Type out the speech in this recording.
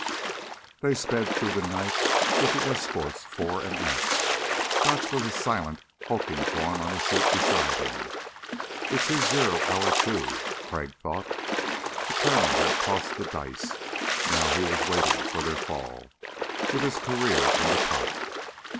They sped through the night with the escorts fore and aft. Gotch was a silent hulking form on the seat beside him. It's his zero hour, too, Crag thought. The Colonel had tossed the dice. Now he was waiting for their fall, with his career in the pot.